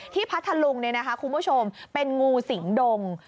พัทธลุงคุณผู้ชมเป็นงูสิงดง